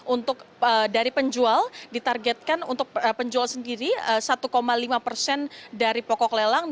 untuk dari penjual ditargetkan untuk penjual sendiri satu lima persen dari pokok lelang